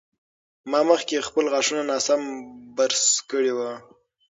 ما مخکې خپل غاښونه ناسم برس کړي وو.